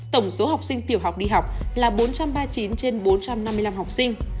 tổng số học sinh tiểu học đi học là bốn trăm ba mươi chín trên bốn trăm năm mươi năm học sinh